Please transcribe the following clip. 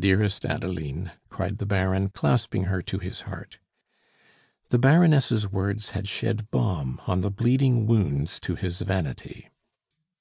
"Dearest Adeline!" cried the Baron, clasping her to his heart. The Baroness' words had shed balm on the bleeding wounds to his vanity.